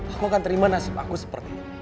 aku akan terima nasib aku seperti ini